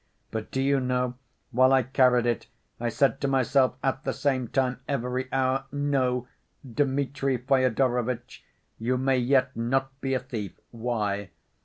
But, do you know, while I carried it I said to myself at the same time every hour: 'No, Dmitri Fyodorovitch, you may yet not be a thief.' Why?